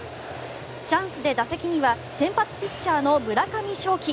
チャンスで打席には先発ピッチャーの村上頌樹。